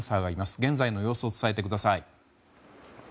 現在の様子を伝えてください。